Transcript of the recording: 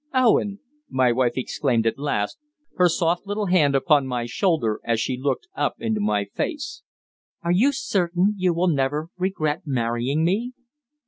"Owen," my wife exclaimed at last, her soft little hand upon my shoulder as she looked up into my face, "are you certain you will never regret marrying me?"